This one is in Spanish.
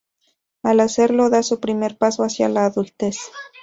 Al hacerlo, da su primer paso hacia la adultez.